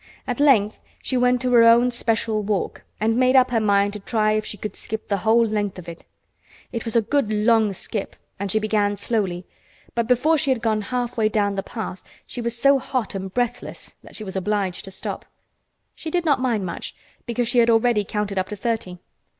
At length she went to her own special walk and made up her mind to try if she could skip the whole length of it. It was a good long skip and she began slowly, but before she had gone half way down the path she was so hot and breathless that she was obliged to stop. She did not mind much, because she had already counted up to thirty.